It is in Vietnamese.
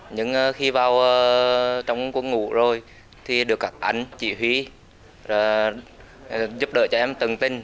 nhưng khi vào trong quân ngũ rồi thì được các anh chỉ huy giúp đỡ cho em tầng tin